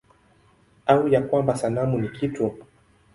Au ya kwamba sanamu ni kitu?